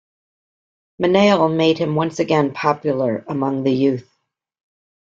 Minnale made him once again popular among the youth.